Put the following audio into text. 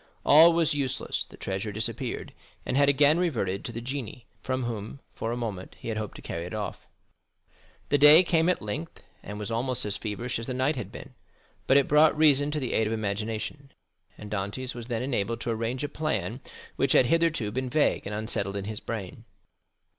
All was useless, the treasure disappeared, and had again reverted to the genii from whom for a moment he had hoped to carry it off. The day came at length, and was almost as feverish as the night had been, but it brought reason to the aid of imagination, and Dantès was then enabled to arrange a plan which had hitherto been vague and unsettled in his brain.